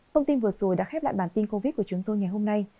thông tin vừa rồi đã khép lại bản tin covid của chúng tôi ngày hôm nay